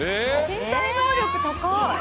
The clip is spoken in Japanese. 「身体能力高い！」